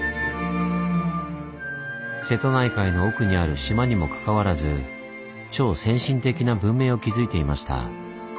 瀬戸内海の奥にある島にもかかわらず超先進的な文明を築いていました。